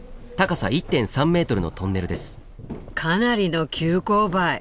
かなりの急勾配。